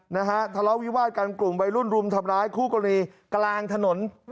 นะฮะทะเลาะวิวาดกันกลุ่มวัยรุ่นรุมทำร้ายคู่กรณีกลางถนน